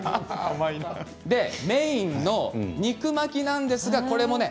でメインの肉巻きなんですがこれもね